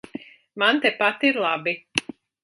Man tepat ir labi.